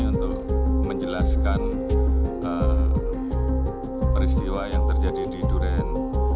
untuk menjelaskan peristiwa yang terjadi di durehen tiga